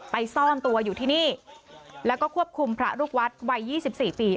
ไปซ่อนตัวอยู่ที่นี่แล้วก็ควบคุมพระลูกวัดวัยยี่สิบสี่ปี